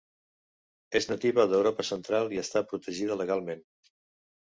És nativa d'Europa Central i està protegida legalment.